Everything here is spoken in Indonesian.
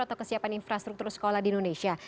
atau kesiapan infrastruktur sekolah di indonesia